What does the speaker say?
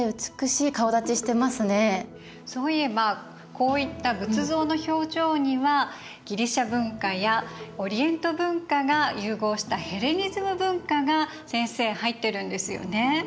そういえばこういった仏像の表情にはギリシア文化やオリエント文化が融合したヘレニズム文化が先生入ってるんですよね。